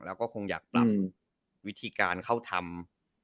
แล้วก็คงอยากปรับวิธีการเข้าทำ